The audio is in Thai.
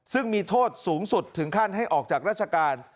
ซึ่งมีโทษสูงสุดถึงขั้นให้ออกจากราชการ